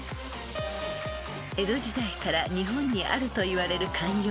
［江戸時代から日本にあるといわれる］